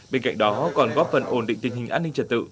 bên cạnh đó còn góp phần ổn định tình hình an ninh trật tự